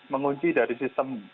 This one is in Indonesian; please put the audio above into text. mengunci dari sistem